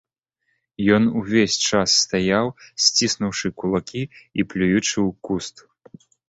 Ён увесь час стаяў, сціснуўшы кулакі і плюючы ў куст.